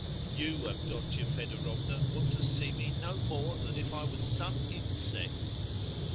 You, Avdotya Fedorovna, want to see me no more than if I was some insect.